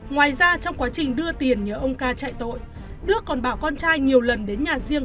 ngoài ra trong quá trình đưa tiền nhờ ông ca chạy tội đức còn bảo con trai nhiều lần đến nhà riêng